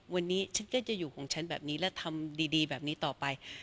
วันนี้ฉันก็จะอยู่ของฉันแบบนี้และทำดีแบบนี้ต่อไป